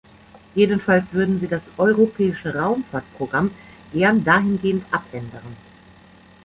Jedenfalls würden sie das europäische Raumfahrtprogramm gern dahingehend abändern.